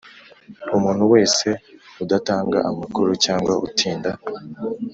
Umuntu wese udatanga amakuru cyangwa utinda